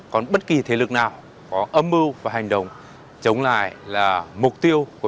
còn bất kỳ thế lực nào có âm mưu và hành động chống lại là mục tiêu của